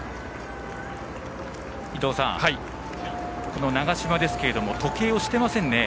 伊藤さん、長嶋ですけれども時計をしていませんね。